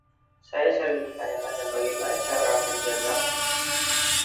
Saya sering bertanya-tanya bagaimana cara kerja gag.